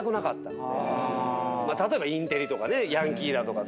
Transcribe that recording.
例えばインテリとかねヤンキーだとか。